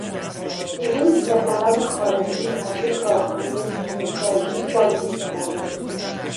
دیروز مهمانان خارجی از یک کارخانهٔ چینی سازی بازدید کردند.